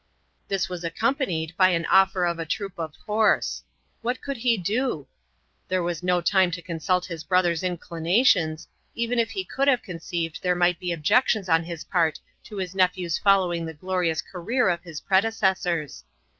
This was accompanied by an offer of a troop of horse. What could he do? There was no time to consult his brother's inclinations, even if he could have conceived there might be objections on his part to his nephew's following the glorious career of his predecessors.